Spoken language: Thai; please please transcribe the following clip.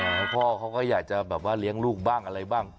แล้วพ่อเขาก็อยากจะแบบว่าเลี้ยงลูกบ้างอะไรบ้าง